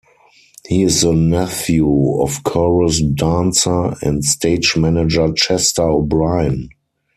He is the nephew of chorus dancer and stage manager Chester O'Brien.